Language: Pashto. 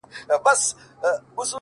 په خندا پاڅي په ژړا يې اختتام دی پيره’